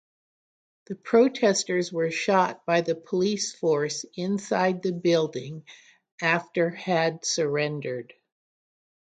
The protesters were shot by the police force inside the building after had surrendered.